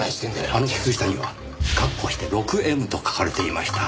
あの靴下には括弧して「６Ｍ」と書かれていました。